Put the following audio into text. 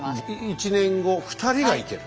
１年後２人が行ける。